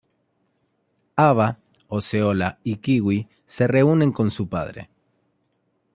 Ava, Osceola y Kiwi se reúnen con su padre.